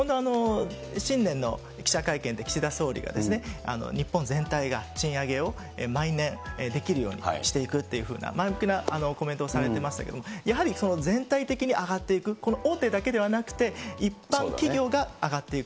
新年の記者会見で岸田総理が日本全体が賃上げを毎年できるようにしていくっていうふうな、前向きなコメントをされていましたけれども、やはり全体的に上がっていく、この大手だけではなくて、一般企業が上がっていく。